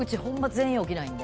全員起きないんで。